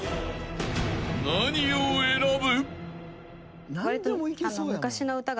［何を選ぶ？］